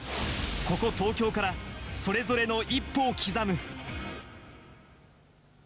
ここ、東京からそれぞれの一歩を刻む。